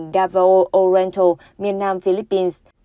davao orento miền nam philippines